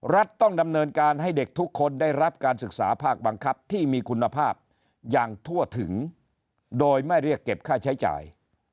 ต้องดำเนินการให้เด็กทุกคนได้รับการศึกษาภาคบังคับที่มีคุณภาพอย่างทั่วถึงโดยไม่เรียกเก็บค่าใช้จ่าย